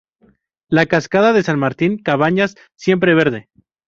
Las Cascadas de San Martín, Cabañas Siempre Verde